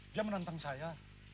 dia menantang saya